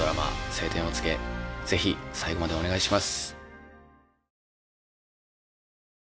「青天を衝け」是非最後までお願いします。